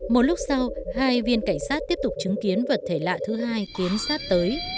một lúc sau hai viên cảnh sát tiếp tục chứng kiến vật thể lạ thứ hai tiến sát tới